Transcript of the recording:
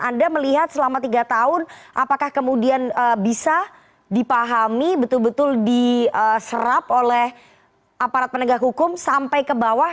anda melihat selama tiga tahun apakah kemudian bisa dipahami betul betul diserap oleh aparat penegak hukum sampai ke bawah